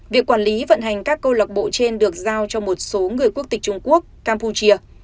việc quản lý vận hành các câu lạc bộ trên được giao cho một số người quốc tịch trung quốc campuchia